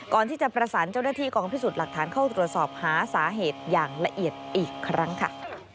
ก่อนที่จะประสานเจ้าหน้าที่กองพิสูจน์หลักฐานเข้าตรวจสอบหาสาเหตุอย่างละเอียดอีกครั้งค่ะ